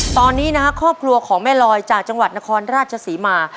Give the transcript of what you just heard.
ตอนนี้นะครับครอบครัวของแม่ลอยจากจังหวัดนครราชศรีมา